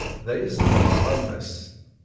Da i zedɣeɣ, a Mass.